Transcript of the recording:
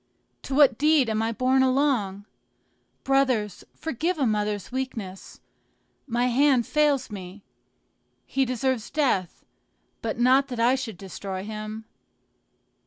to what deed am I borne along? Brothers forgive a mother's weakness! my hand fails me. He deserves death, but not that I should destroy him.